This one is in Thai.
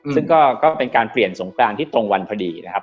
ซึ่งก็เป็นการเปลี่ยนสงกรานที่ตรงวันพอดีนะครับ